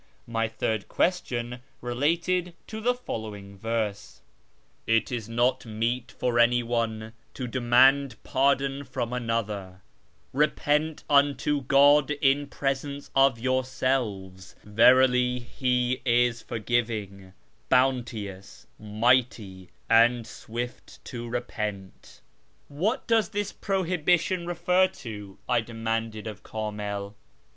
My third question related to the following verse :—" It is not meet for any one to demand pardon before another ; repent unto God, in p)resence of yourselves; verily He is Foryiviwj, Bounteous, Miyhty, (and) Swift to repentP " ^Vllat does this prohibition refer to ?" I demanded of Kamil.